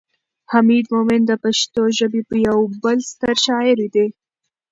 حمید مومند د پښتو ژبې یو بل ستر شاعر دی.